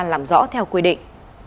làm rõ theo quy định